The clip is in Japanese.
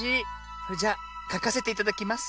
それじゃあかかせていただきます。